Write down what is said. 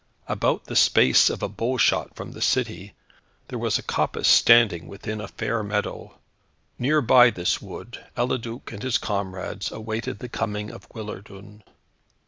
About the space of a bow shot from the city gate, there was a coppice standing within a fair meadow. Near by this wood, Eliduc and his comrades awaited the coming of Guillardun.